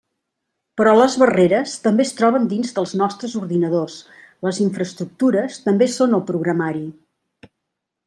Però les barreres també es troben dins dels nostres ordinadors, les infraestructures també són el programari.